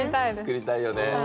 作りたいよね。